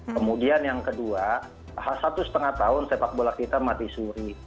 kemudian yang kedua satu setengah tahun sepak bola kita mati suri